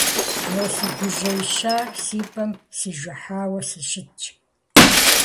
Мо сыгужьеищар си пӀэм сижыхьауэ сыщытщ.